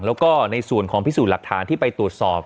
แล้วก็ในส่วนของพิสูจน์หลักฐานที่ไปตรวจสอบ